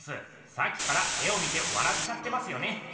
さっきから絵を見てわらっちゃってますよね。